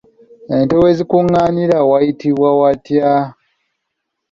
Ente we zikungaanira wayitibwa watya?